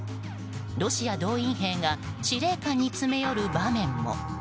ロシア動員兵が司令官に詰め寄る場面も。